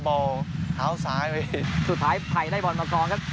บอลขาวซ้ายไปสุดท้ายไผ่ได้บอลมาทองครับ